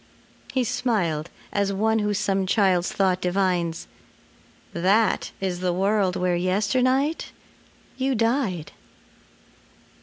He smiled as one who some child's thought divines: "That is the world where yesternight you died."